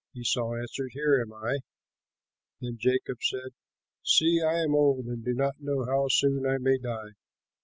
Esau answered, "Here am I." Then Isaac said, "See, I am old and do not know how soon I may die.